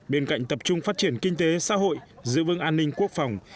bên cạnh tập trung phát triển kinh tế xã hội giữ vững an ninh quốc phòng